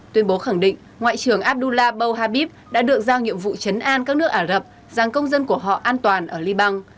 tuyên bố khẳng định ngoại trưởng abdullah bohhabib đã được giao nhiệm vụ chấn an các nước ả rập rằng công dân của họ an toàn ở liban